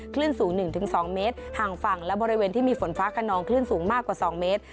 คลื่นสูง๑๒เมตรห่างฝั่งและบริเวณที่มีฝนฟ้าขนองคลื่นสูงมากกว่า๒เมตร